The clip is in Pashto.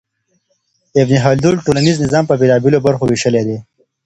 ابن خلدون ټولنيز نظام په بېلابېلو برخو وېشلی دی.